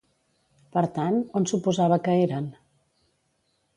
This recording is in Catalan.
Per tant, on suposava que eren?